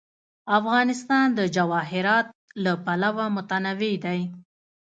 افغانستان د جواهرات له پلوه متنوع دی.